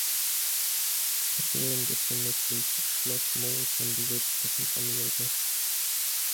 Seitdem befindet sich Schloss Moos im Besitz dessen Familie.